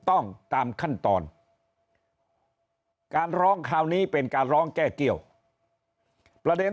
ต้องตามขั้นตอนการร้องคราวนี้เป็นการร้องแก้เกี้ยวประเด็น